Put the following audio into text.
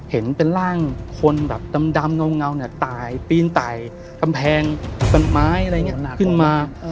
เห็นเป็นร่างคนแบบดำเงาเนี่ยตายปีนตายกำแพงต้นไม้อะไรอย่างนี้ขึ้นมา